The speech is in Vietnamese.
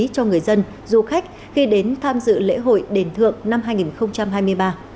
cho người dân du khách khi đến tham dự lễ hội đền thượng năm hai nghìn hai mươi ba